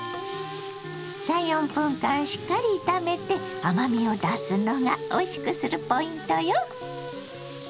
３４分間しっかり炒めて甘みを出すのがおいしくするポイントよ。